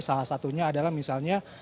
salah satunya adalah misalnya